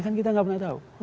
kan kita nggak pernah tahu